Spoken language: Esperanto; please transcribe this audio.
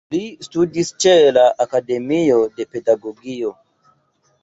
Li studis ĉe la Akademio de Pedagogio.